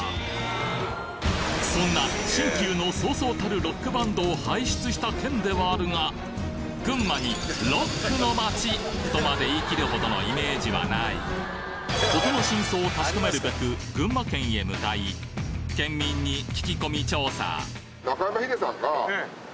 そんな新旧のそうそうたるロックバンドを輩出した県ではあるが群馬にほどのイメージはない事の真相を確かめるべく群馬県へ向かい県民にえっ？